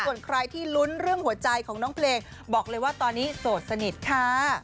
ส่วนใครที่ลุ้นเรื่องหัวใจของน้องเพลงบอกเลยว่าตอนนี้โสดสนิทค่ะ